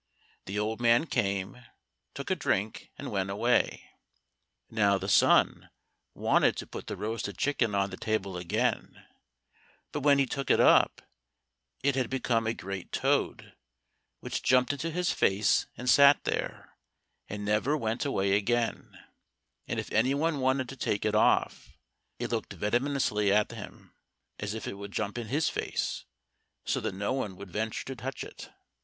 The old man came, took a drink, and went away. Now the son wanted to put the roasted chicken on the table again, but when he took it up, it had become a great toad, which jumped into his face and sat there and never went away again, and if any one wanted to take it off, it looked venomously at him as if it would jump in his face, so that no one would venture to touch it.